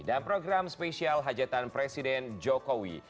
dan program spesial hajatan presiden jokowi